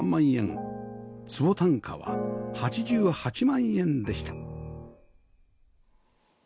坪単価は８８万円でした